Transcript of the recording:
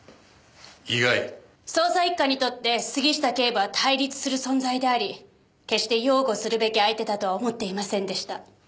捜査一課にとって杉下警部は対立する存在であり決して擁護するべき相手だとは思っていませんでした。